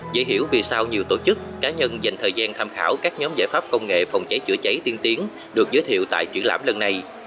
dễ hiểu vì sao nhiều tổ chức cá nhân dành thời gian tham khảo các nhóm giải pháp công nghệ phòng cháy chữa cháy tiên tiến được giới thiệu tại triển lãm lần này